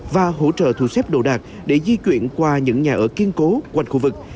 và hỗ trợ thu xếp đồ đạc để di chuyển qua những nhà ở kiên cố quanh khu vực